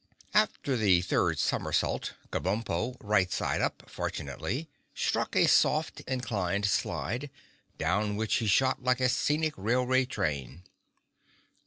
After the third somersault, Kabumpo, right side up, fortunately, struck a soft inclined slide, down which he shot like a scenic railway train.